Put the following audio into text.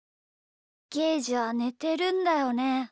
ゲージはねてるんだよね？